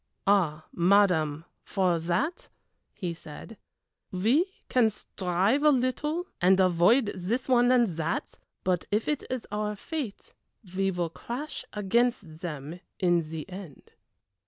"Ah, madame, for that," he said, "we can strive a little and avoid this one and that, but if it is our fate we will crash against them in the end."